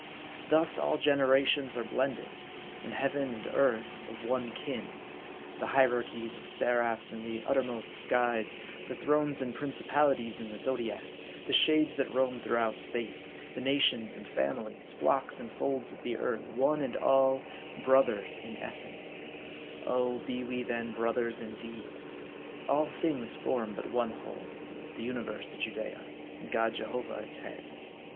Thus all generations are M A R D I. 05 blended : and heaven and earth of one kin : the hierarchies of seraphs in the uttermost skies ; the thrones and principal ities in the zodiac ; the shades that roam throughout space ; the nations and families, flocks and folds of the earth ; one and all, brothers in essence oh, be we then brothers indeed ! All things form but one whole ; the universe a Judea, and God Jehovah its head.